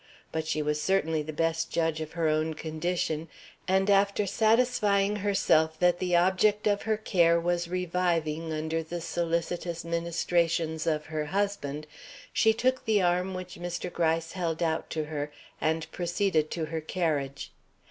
But she was certainly the best judge of her own condition; and after satisfying herself that the object of her care was reviving under the solicitous ministrations of her husband, she took the arm which Mr. Gryce held out to her and proceeded to her carriage.